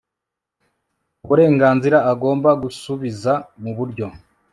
uburenganzira agomba gusubiza mu buryo